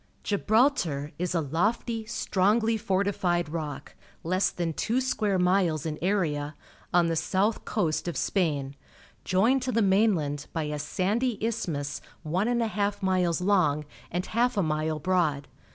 — Gibraltar is a lofty, strongly fortified rock, less than two square miles in area, on the south coast of Spain, joined to the mainland by a sandy isthmus one and a half miles long and half a mile broad.